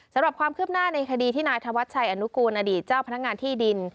สำหรับความคืบหน้าในคดีที่นายธวัชชัยอนุกูลอดีตเจ้าพนักงานที่ดิน